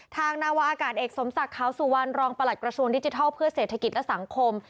นาวาอากาศเอกสมศักดิ์ขาวสุวรรณรองประหลัดกระทรวงดิจิทัลเพื่อเศรษฐกิจและสังคม